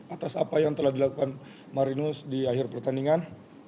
atas apa yang telah dilakukan marinus di akhir pertandingan